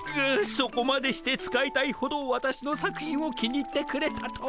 そこまでして使いたいほどわたしの作品を気に入ってくれたとは。